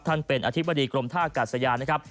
ท่านเป็นอธิบดีกรมทศกาศยา